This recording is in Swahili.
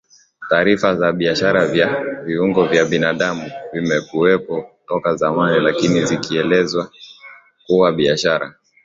taarifa za biashara ya viungo vya binadamu zimekuwepo toka zamani lakini zikieleza kuwa biashara